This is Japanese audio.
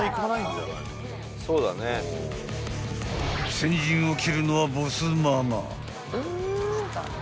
［先陣を切るのはボスママ］